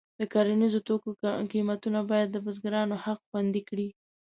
د کرنیزو توکو قیمتونه باید د بزګرانو حق خوندي کړي.